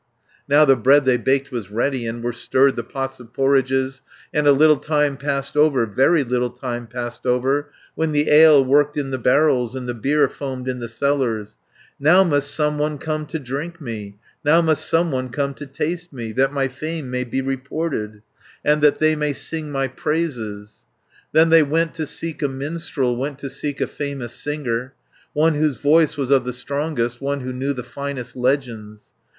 Now the bread they baked was ready, And were stirred the pots of porridges, And a little time passed over, Very little time passed over, 520 When the ale worked in the barrels, And the beer foamed in the cellars, "Now must some one come to drink me, Now must some one come to taste me, That my fame may be reported, And that they may sing my praises." Then they went to seek a minstrel, Went to seek a famous singer, One whose voice was of the strongest, One who knew the finest legends.